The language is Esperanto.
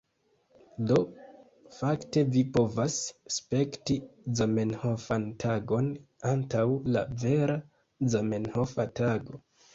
Do, fakte vi povas spekti Zamenhofan Tagon antaŭ la vera Zamenhofa Tago.